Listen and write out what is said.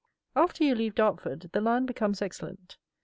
After you leave Dartford the land becomes excellent.